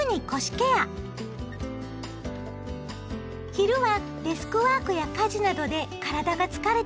昼はデスクワークや家事などで体が疲れてくる頃。